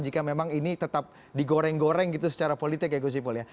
jika memang ini tetap digoreng goreng gitu secara politik ya gus ipul ya